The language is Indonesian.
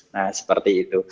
nah seperti itu